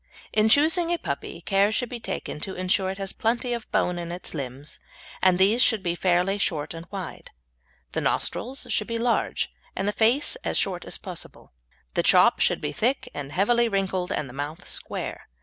In choosing a puppy care should be taken to ensure it has plenty of bone in its limbs, and these should be fairly short and wide; the nostrils should be large and the face as short as possible. The chop should be thick and heavily wrinkled and the mouth square.